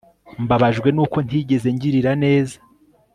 Mbabajwe nuko ntigeze ngirira neza